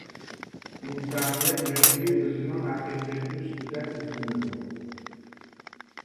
ئىنسانىيەت مەڭگۈ ئۆزىنىڭ ھەقىقىتى ئۈستىدە ئىزدىنىدۇ.